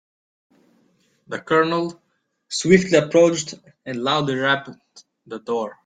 The colonel swiftly approached and loudly rapped the door.